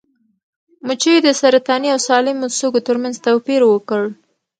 مچیو د سرطاني او سالمو سږو ترمنځ توپیر وکړ.